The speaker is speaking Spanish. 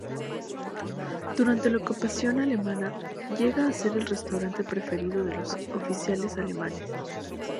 Durante la ocupación alemana, llega a ser el restaurante preferido de los oficiales alemanes.